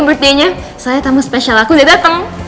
selamat hari jadi saya tamu spesial aku udah dateng